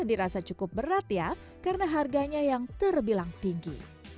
dirasa cukup berat ya karena harganya yang terbilang tinggi